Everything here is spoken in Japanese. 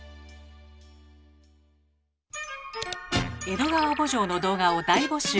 「江戸川慕情」の動画を大募集。